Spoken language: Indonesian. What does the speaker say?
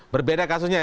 berbeda kasusnya ya